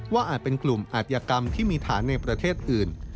อาจเป็นกลุ่มอาธิกรรมที่มีฐานในประเทศอื่น